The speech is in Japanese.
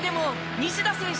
西田選手。